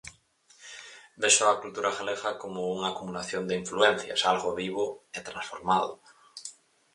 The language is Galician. Vexo a cultura galega como unha acumulación de influencias, algo vivo e transformado.